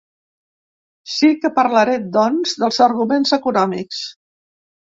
Sí que parlaré, doncs, dels arguments econòmics.